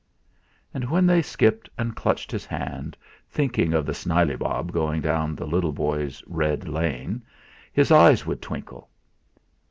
And when they skipped and clutched his hand, thinking of the snileybob going down the little boy's 'red lane,' his eyes would twinkle.